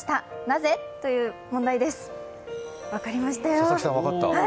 佐々木さん、分かった。